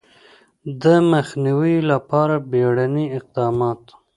د مخنیوي لپاره بیړني اقدامات